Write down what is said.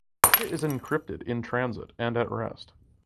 Data is encrypted in transit and at rest.